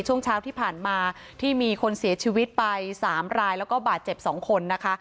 ช่วงเช้าที่ผ่านมาที่มีคนเสียชีวิตไป๓รายแล้วก็บาดเจ็บ๒คนนะคะ